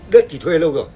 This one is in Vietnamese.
đất chỉ thuê lâu gở